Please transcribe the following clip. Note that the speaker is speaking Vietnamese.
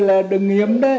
lúc đấy anh gặp con người